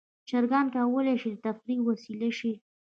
چرګان کولی شي د تفریح وسیله شي.